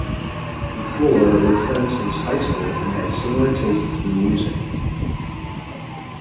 The four were friends since high school and had similar tastes in music.